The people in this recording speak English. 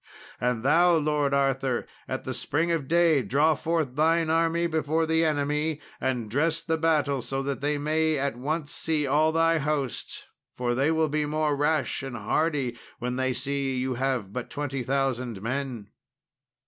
And thou, Lord Arthur, at the spring of day draw forth thine army before the enemy, and dress the battle so that they may at once see all thy host, for they will be the more rash and hardy when they see you have but 20,000 men."